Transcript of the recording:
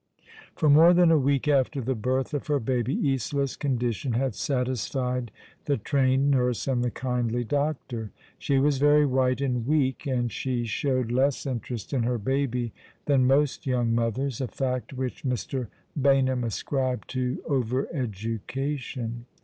For more than a week after the birth of her baby Isola's condition had satisfied the trained nurse aud the kindly doctor. She was very white and weak, and she showed less interest in her baby than most young mothers — a fact which Mr. Baynham ascribed to over education.